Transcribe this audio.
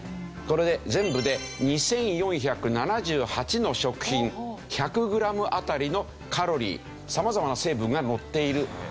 これで全部で２４７８の食品１００グラム当たりのカロリー様々な成分が載っている。